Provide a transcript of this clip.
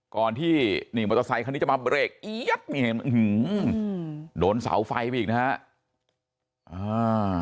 ก่อนที่มอเตอร์ไซต์คันนี้จะมาเบรกโดนเสาไฟไปอีกนะฮะ